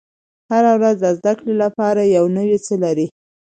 • هره ورځ د زده کړې لپاره یو نوی څه لري.